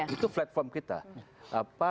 itu platform kita